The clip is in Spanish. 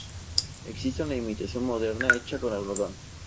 Existe una imitación moderna, hecha con algodón.